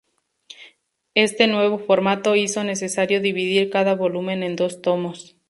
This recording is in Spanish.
Este nuevo formato hizo necesario dividir cada volumen en dos tomos.